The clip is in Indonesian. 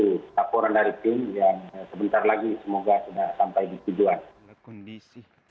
laporan dari tim yang sebentar lagi semoga sudah sampai di tujuan